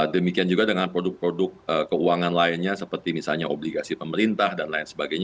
demikian juga dengan produk produk keuangan lainnya seperti misalnya obligasi pemerintah dan lain sebagainya